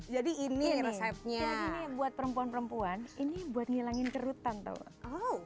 jadi ini resepnya buat perempuan perempuan ini buat ngilangin kerutan tahu